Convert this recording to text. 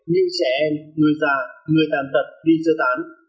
như trẻ em người già người tàn tật đi sơ tán